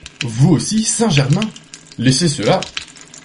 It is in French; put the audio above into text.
Vous aussi, Saint-Germain ? laissez cela…